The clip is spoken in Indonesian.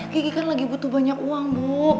gigi kan lagi butuh banyak uang bu